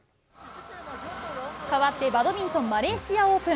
変わってバドミントン、マレーシアオープン。